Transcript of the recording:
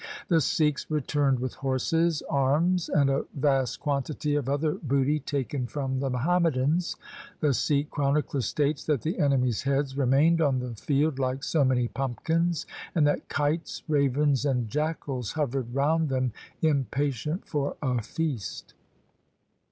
The Sikhs returned with horses, arms, and a vast quantity of other booty taken from the Muhammadans. The Sikh chronicler states that the enemies' heads remained on the field like so many pumpkins, and that kites, ravens, and jackals hovered round them impatient for a feast.